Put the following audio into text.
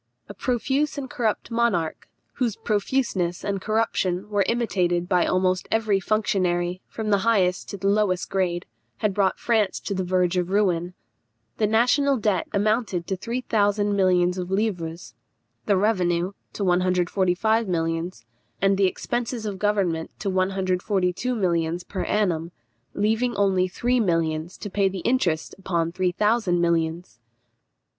A profuse and corrupt monarch, whose profuseness and corruption were imitated by almost every functionary, from the highest to the lowest grade, had brought France to the verge of ruin. The national debt amounted to 3000 millions of livres, the revenue to 145 millions, and the expenses of government to 142 millions per annum; leaving only three millions to pay the interest upon 3000 millions.